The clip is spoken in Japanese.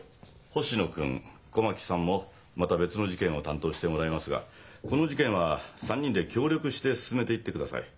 星野君小牧さんもまた別の事件を担当してもらいますがこの事件は３人で協力して進めていってください。